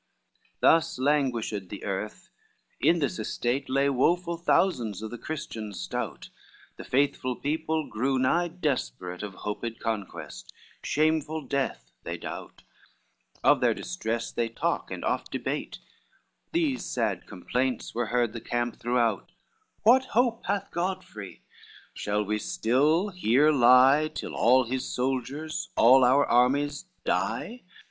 LXIV Thus languished the earth, in this estate Lay woful thousands of the Christians stout, The faithful people grew nigh desperate Of hoped conquest, shameful death they doubt, Of their distress they talk and oft debate, These sad complaints were heard the camp throughout: "What hope hath Godfrey? shall we still here lie Till all his soldiers, all our armies die?